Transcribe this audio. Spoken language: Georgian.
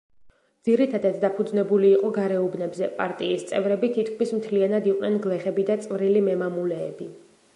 ძირითადად დაფუძნებული იყო გარეუბნებზე, პარტიის წევრები თითქმის მთლიანად იყვნენ გლეხები და წვრილი მემამულეები.